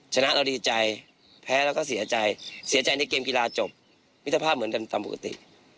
ชนะเราก็ดีใจแพ้เราก็เศียร์ใจเสียใจในเกมกีฬาจบมิถภาพเหมือนกันสมบัติ